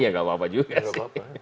ya nggak apa apa juga sih